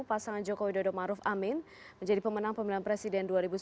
pasangan joko widodo maruf amin menjadi pemenang pemilihan presiden dua ribu sembilan belas